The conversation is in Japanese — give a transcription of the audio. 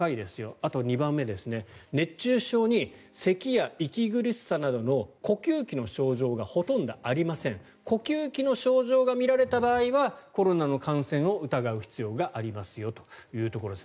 あと２番目熱中症にせきや息苦しさなどの呼吸器の症状がほとんどありません呼吸器の症状が見られた場合はコロナの感染を疑う必要がありますよということです。